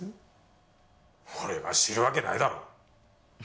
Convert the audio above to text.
俺が知るわけないだろう。